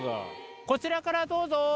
こちらからどうぞ。